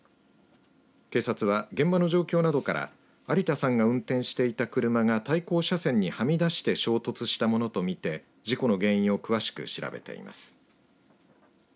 警察は現場の状況などから有田さんが運転していた車が対向車線にはみ出して衝突したものと見て事故の原因を詳しく調べています。